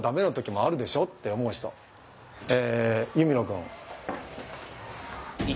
え弓野くん。